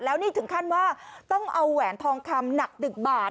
แล้วนี่ถึงขั้นว่าต้องเอาแหวนทองคำหนักดึกบาท